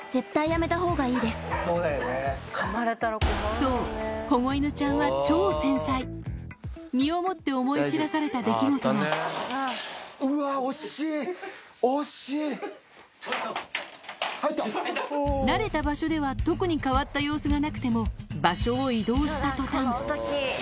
そう保護犬ちゃんは身をもって思い知らされた出来事が慣れた場所では特に変わった様子がなくてもあ。